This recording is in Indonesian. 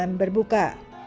dan jaman berbuka